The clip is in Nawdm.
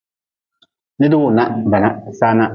Nidwunah bana sana.